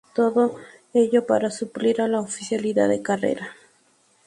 Todo ello para suplir a la oficialidad de carrera.